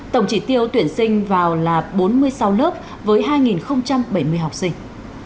tổng chỉ tiêu tuyển sinh vào là bốn mươi sáu lớp với hai bảy mươi học sinh